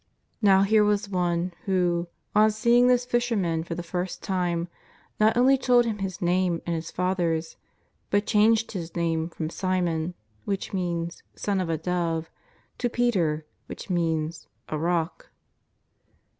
Now here was One who, on seeing this fisherman for the first time, not only told him his name and his father's, but changed his name from Simon, which means " Son of a dove," to Peter, which means " a Pock."